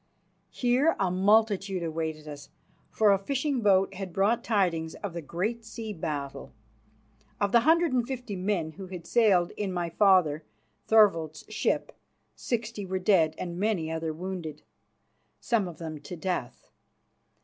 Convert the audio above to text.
Here a multitude awaited us, for a fishing boat had brought tidings of the great sea battle. Of the hundred and fifty men who had sailed in my father, Thorvald's, ships sixty were dead and many others wounded, some of them to death.